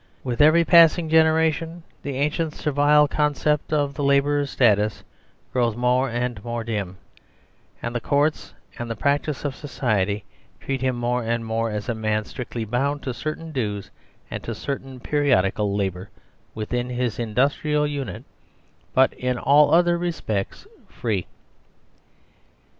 With every passing generation the ancient servile conception of the lab ourer's status grows more and more dim, and the Courts and the practice of society treat him more and more as a man strictly bound to certain dues and to certain periodical labour within his industrial unit, 47 THE SERVILE STATE but in all other respects free.